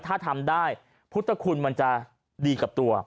ถ้าทำได้พุทธคุณมันจะดีกับตัว